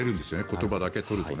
言葉だけを取ると。